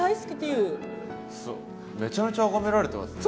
めちゃめちゃあがめられてますね。